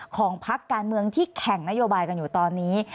พักการเมืองที่แข่งนโยบายกันอยู่ตอนนี้